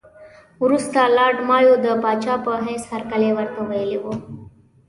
وروسته لارډ مایو د پاچا په حیث هرکلی ورته ویلی وو.